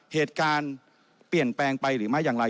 เหตุการณ์เปลี่ยนแปลงไปหรือไม่อย่างไร